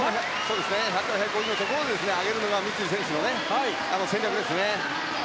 １００から１５０で上げるのが三井選手の戦略ですね。